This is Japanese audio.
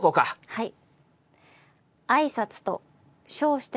はい。